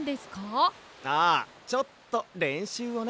ああちょっとれんしゅうをね。